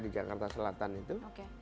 di jakarta selatan itu